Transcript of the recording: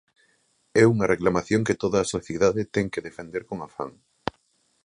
É unha reclamación que toda a sociedade ten que defender con afán.